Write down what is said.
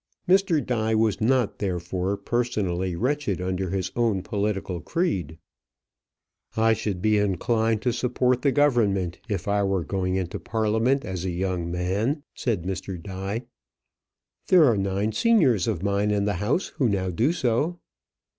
Mr. Die was not, therefore, personally wretched under his own political creed. "I should be inclined to support the government if I were going into Parliament as a young man," said Mr. Die. "There are nine seniors of mine in the House who now do so."